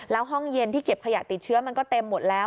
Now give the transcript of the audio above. แล้วห้องเย็นที่เก็บขยะติดเชื้อมันก็เต็มหมดแล้ว